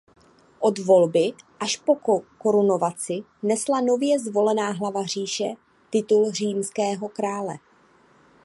Od volby až po korunovaci nesla nově zvolená hlava říše titul římského krále.